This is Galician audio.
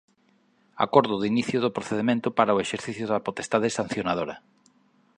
Acordo de inicio do procedemento para o exercicio da potestade sancionadora.